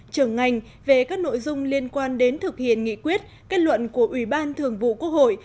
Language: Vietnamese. trưởng ngành về các nội dung liên quan đến thực hiện nghị quyết kết luận của ủy ban thường vụ quốc hội